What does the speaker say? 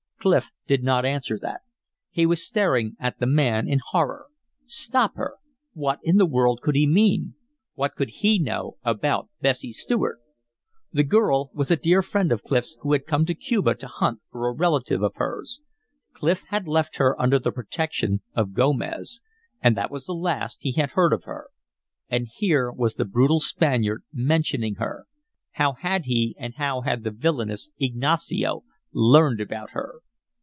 Clif did not answer that; he was staring at the man in horror. Stop her! What in the world could he mean? What could he know about Bessie Stuart? The girl was a dear friend of Clif's who had come to Cuba to hunt for a relative of hers. Clif had left her under the protection of Gomez; and that was the last he had heard of her. And here was the brutal Spaniard mentioning her. How had he and how had the villainous Ignacio learned about her?